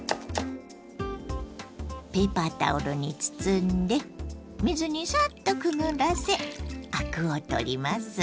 ペーパータオルに包んで水にサッとくぐらせアクを取ります。